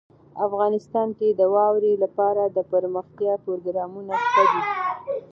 افغانستان کې د واورې لپاره دپرمختیا پروګرامونه شته دي.